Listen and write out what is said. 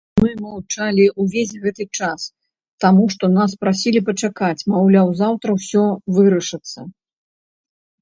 Мы маўчалі ўвесь гэты час, таму што нас прасілі пачакаць, маўляў, заўтра ўсё вырашыцца.